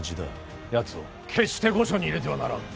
やつを決して御所に入れてはならん。